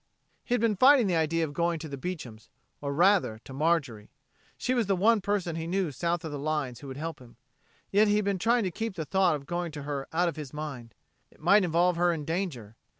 He had been fighting the idea of going to the Beecham's, or, rather, to Marjorie. She was the one person he knew south of the lines who would help him, yet he had been trying to keep the thought of going to her out of his mind. It might involve her in danger.